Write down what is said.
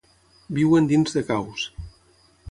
Viuen dins de caus.